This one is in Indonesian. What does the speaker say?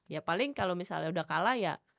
ya paling kalo misalnya udah kalah ya